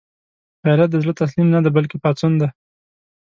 غیرت د زړه تسلیم نه دی، بلکې پاڅون دی